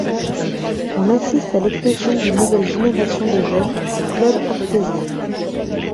On assiste à l'éclosion d'une nouvelle génération de jeunes au club artésiens.